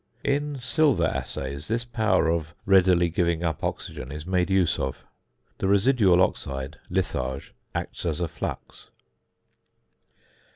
In silver assays this power of readily giving up oxygen is made use of. The residual oxide (litharge) acts as a flux.